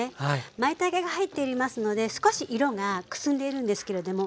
まいたけが入っておりますので少し色がくすんでいるんですけれどもでもね